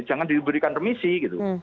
jangan diberikan remisi gitu